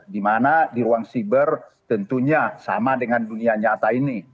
di mana di ruang siber tentunya sama dengan dunia nyata ini